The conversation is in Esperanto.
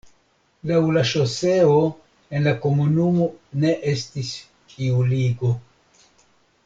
Laŭ la ŝoseo en la komunumo ne estas iu ligo.